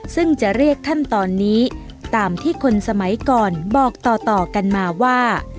ซึ่งจะเรียกขั้นตอนนี้ตามที่คนสมัยก่อนบอกต่อกันมาว่า